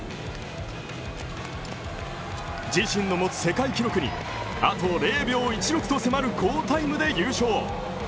自身の持つ世界記録にあと０秒１６と迫る好タイムで優勝。